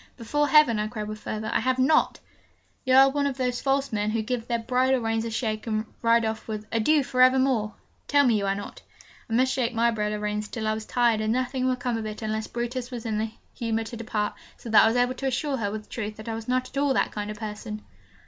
'Before Heaven,' I cried with fervour, 'I have not!' 'You are not one of those false men who give their bridle reins a shake, and ride off with "Adieu for evermore!" tell me you are not?' I might shake my bridle reins till I was tired and nothing would come of it unless Brutus was in the humour to depart; so that I was able to assure her with truth that I was not at all that kind of person.